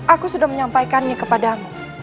aku sudah menyampaikannya kepadamu